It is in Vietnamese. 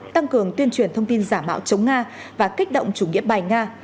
tăng cường tuyên truyền thông tin giả mạo chống nga và kích động chủ nghĩa bài nga